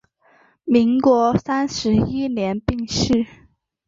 民国三十一年病逝。